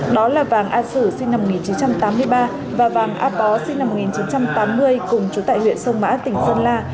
đó là vàng a sử sinh năm một nghìn chín trăm tám mươi ba và vàng a pó sinh năm một nghìn chín trăm tám mươi cùng chú tại huyện sông mã tỉnh sơn la